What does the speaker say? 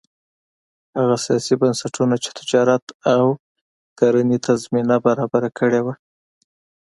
هغه سیاسي بنسټونه چې تجارت او کرنې ته زمینه برابره کړې وه